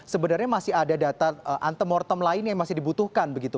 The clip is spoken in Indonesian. sebenarnya masih ada data antemortem lain yang masih dibutuhkan begitu